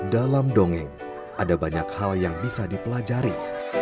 dalam dongeng ada banyak hal yang bisa dipelajari